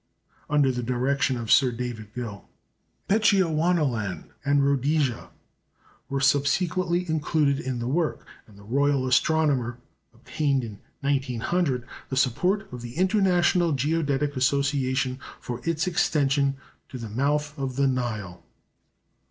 under the direction of Sir David Gill. Bechuanaland and Rhodesia were subsequently included in the work; and the Royal Astronomer obtained, in 1900, the support of the International Geodetic Association for its extension to the mouth of the Nile.